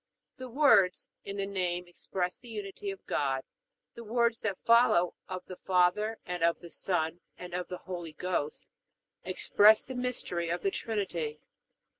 The words, In the name, express the Unity of God; the words that follow, of the Father, and of the Son, and of the Holy Ghost, express the mystery of the Trinity.